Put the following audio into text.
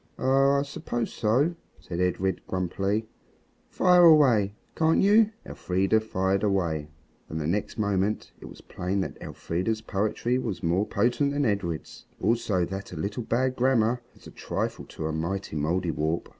"Oh! I suppose so," said Edred grumpily; "fire away, can't you?" Elfrida fired away, and the next moment it was plain that Elfrida's poetry was more potent than Edred's; also that a little bad grammar is a trifle to a mighty Mouldiwarp.